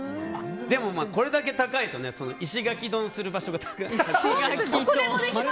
でも、これだけ高いと石垣ドンする場所が。